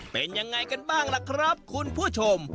เป็นยังไงกันบ้างล่ะครับคุณผู้ชม